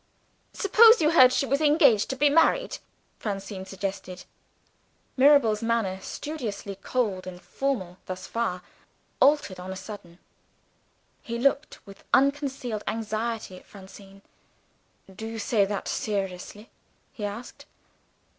"Suppose you heard she was engaged to be married?" Francine suggested. Mirabel's manner studiously cold and formal thus far altered on a sudden. He looked with unconcealed anxiety at Francine. "Do you say that seriously?" he asked.